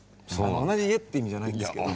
同じ家って意味じゃないんですけど。